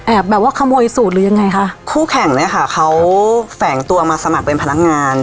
แบบว่าขโมยสูตรหรือยังไงคะคู่แข่งเนี้ยค่ะเขาแฝงตัวมาสมัครเป็นพนักงาน